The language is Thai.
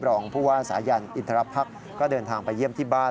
รองพวกสายันอินทรัพย์พักก็เดินทางไปเยี่ยมที่บ้าน